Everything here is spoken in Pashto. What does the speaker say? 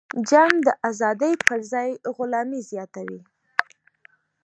جنگ د ازادۍ پرځای غلامي زیاتوي.